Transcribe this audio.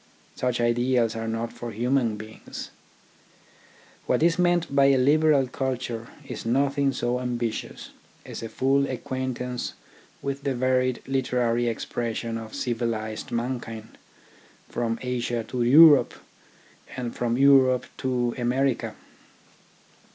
Such ideals are not for human beings. What is meant by a liberal culture is nothing so ambi tious as a full acquaintance with the varied 36 THE ORGANISATION OF THOUGHT literary expression of civilised mankind from Asia to Europe, and from Europe to America.